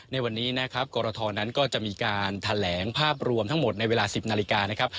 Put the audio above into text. ในวันนี้นะครับกรทนั้นก็จะมีการแถลงภาพรวมทั้งหมดในเวลา๑๐นาฬิกานะครับ